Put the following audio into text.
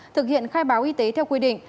thực hiện khai báo y tế theo quy định